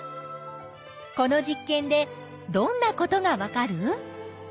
この実験でどんなことがわかる？